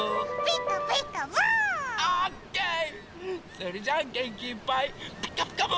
それじゃあげんきいっぱい「ピカピカブ！」